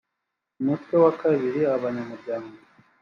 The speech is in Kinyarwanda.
umutwe w a kabiri abanyamuryango